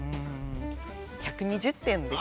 ◆１２０点です。